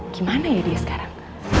gimana ya dia sekarang